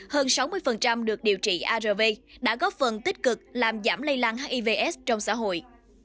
hơn sáu mươi được điều trị arv đã góp phần tích cực làm giảm lây lan hivs trong xã hội